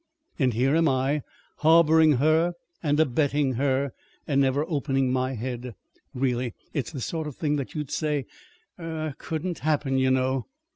And here am I, harboring her and abetting her, and never opening my head. Really, it's the sort of thing that you'd say er couldn't happen, you know."